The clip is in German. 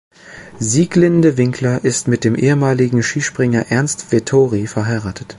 Sieglinde Winkler ist mit dem ehemaligen Skispringer Ernst Vettori verheiratet.